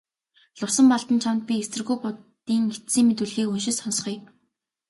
Лувсанбалдан чамд би эсэргүү Будын эцсийн мэдүүлгийг уншиж сонсгоё.